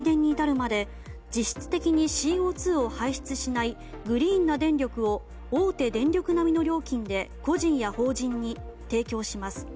発電から送電、売電に至るまで実質的にＣＯ２を排出しないグリーンな電力を大手電力並みの料金で個人や法人に提供します。